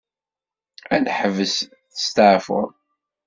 Ad neḥbes testaɛfuḍ.